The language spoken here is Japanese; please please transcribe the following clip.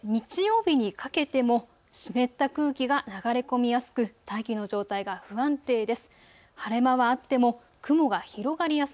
そして日曜日にかけても湿った空気が流れ込みやすく大気の状態が不安定です。